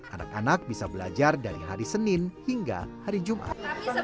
anak anak bisa belajar dari hari senin hingga hari jumat